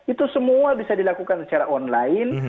itu semua bisa dilakukan secara online